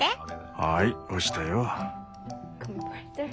はい押したよ。